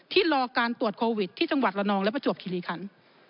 รอการตรวจโควิดที่จังหวัดละนองและประจวบคิริคัน